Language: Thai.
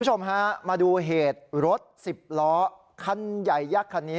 คุณผู้ชมฮะมาดูเหตุรถสิบล้อคันใหญ่ยักษ์คันนี้